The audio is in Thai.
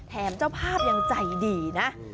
เจ้าภาพยังใจดีนะ